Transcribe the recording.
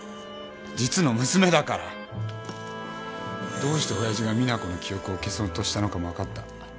どうして親父が実那子の記憶を消そうとしたのかも分かった。